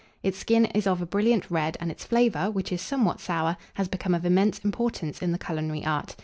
Its skin is of a brilliant red, and its flavour, which is somewhat sour, has become of immense importance in the culinary art.